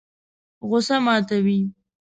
غوسه ماتوي.